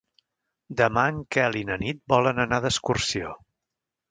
Demà en Quel i na Nit volen anar d'excursió.